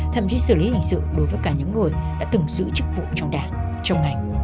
thậm chí xử lý hình sự đối với cả những người đã từng giữ chức vụ trong đảng trong ngành